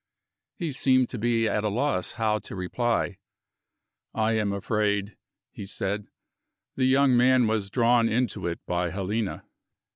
He seemed to be at a loss how to reply. "I am afraid," he said, "the young man was drawn into it by Helena."